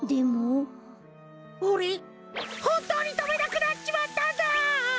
おれホントにとべなくなっちまったんだ！